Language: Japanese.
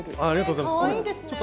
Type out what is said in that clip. ありがとうございます。